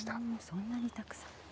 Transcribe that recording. そんなにたくさん。